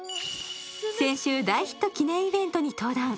先週、大ヒット記念イベントに登壇。